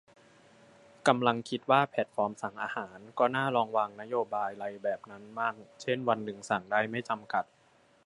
กำลังคิดว่า แพลตฟอร์มสั่งอาหารก็น่าลองวางนโยบายไรแบบนั้นมั่ง เช่น วันนึงสั่งได้ไม่จำกัด